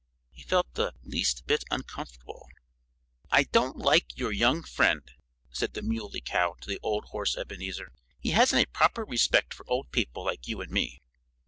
He felt the least bit uncomfortable. "I don't like your young friend," said the Muley Cow to the old horse Ebenezer. "He hasn't a proper respect for old people like you and me."